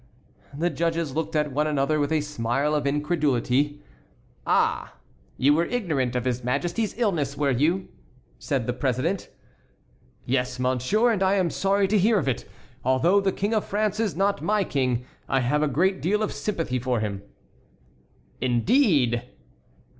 The judges looked at one another with a smile of incredulity. "Ah! you were ignorant of his Majesty's illness, were you?" said the president. "Yes, monsieur, and I am sorry to hear of it. Although the King of France is not my king, I have a great deal of sympathy for him." "Indeed!"